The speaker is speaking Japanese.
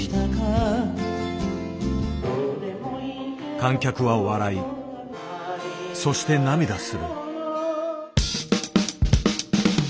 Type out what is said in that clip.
観客は笑いそして涙する。